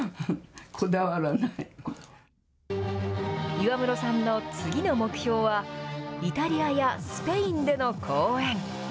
岩室さんの次の目標は、イタリアやスペインでの公演。